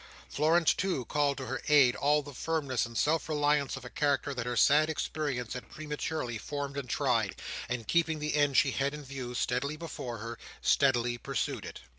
Florence, too, called to her aid all the firmness and self reliance of a character that her sad experience had prematurely formed and tried: and keeping the end she had in view steadily before her, steadily pursued it.